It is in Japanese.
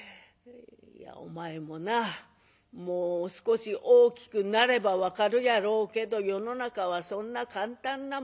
「いやお前もなもう少し大きくなれば分かるやろうけど世の中はそんな簡単なもんじゃない」。